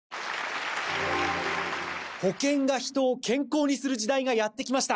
保険が人を健康にする時代がやってきました！